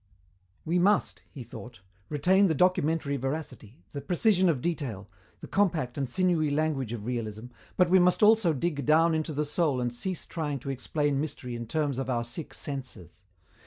"We must," he thought, "retain the documentary veracity, the precision of detail, the compact and sinewy language of realism, but we must also dig down into the soul and cease trying to explain mystery in terms of our sick senses.